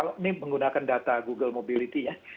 kalau ini menggunakan data google mobility ya